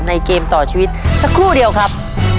เกมต่อชีวิตสักครู่เดียวครับ